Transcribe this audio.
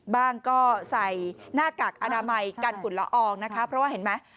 บ้างก็ใส่หน้ากากอนามัยกันฝุ่นละอองนะคะเพราะว่าเห็นไหม